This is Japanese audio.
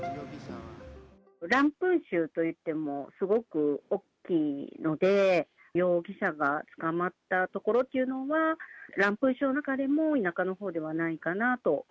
ランプン州といってもすごく大きいので、容疑者が捕まった所というのは、ランプン州の中でも田舎のほうではないかなと。